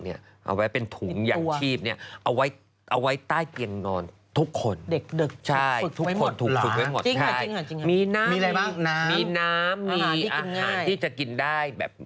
มีน้ำมีอาหารที่จะกินได้